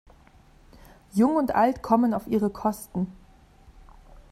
Jung und Alt kommen auf ihre Kosten.